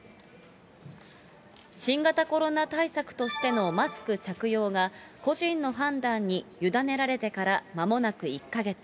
新型コロナ対策としてのマスク着用が、個人の判断に委ねられてからまもなく１か月。